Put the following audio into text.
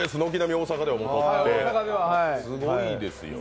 大阪では取ってすごいですよ。